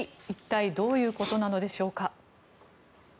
一体どういうことなのでしょうか。